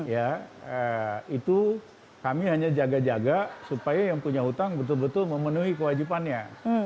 ya itu kami hanya jaga jaga supaya yang punya hutang betul betul memenuhi kewajibannya